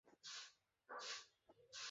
রমেশ অপরাধীর মতো নিরুত্তর বসিয়া রহিল।